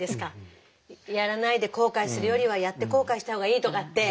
「やらないで後悔するよりはやって後悔した方がいい」とかって。